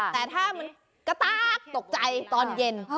แต่ถ้ามันกระตากตกใจตอนเย็น